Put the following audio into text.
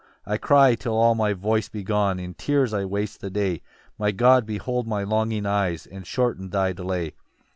2 "I cry till all my voice be gone, "In tears I waste the day: "My God behold my longing eyes, "And shorten thy delay.